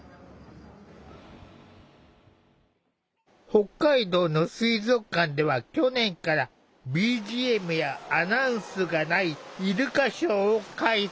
北海道の水族館では去年からＢＧＭやアナウンスがないイルカショーを開催。